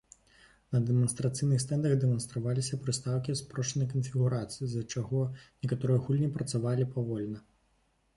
На дэманстрацыйных стэндах дэманстраваліся прыстаўкі з спрошчанай канфігурацыі, з-за чаго некаторыя гульні працавалі павольна.